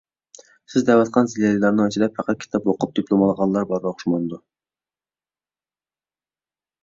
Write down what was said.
سىز دەۋاتقان زىيالىيلارنىڭ ئىچىدە پەقەت كىتاب ئوقۇپ دىپلوم ئالغانلار بار ئوخشىمامدۇ؟